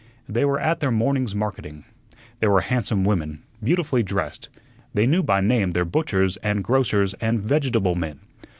They were at their morning's marketing. They were handsome women, beautifully dressed. They knew by name their butchers and grocers and vegetable men.